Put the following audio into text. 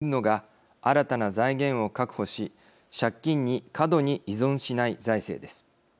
そうなると重要になってくるのが新たな財源を確保し借金に過度に依存しない財政です。